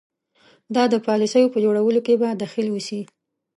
د پالیسیو په جوړولو کې به دخیل اوسي.